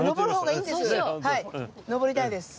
上りたいです。